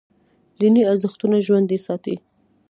دیني ارزښتونه ژوندي ساتي.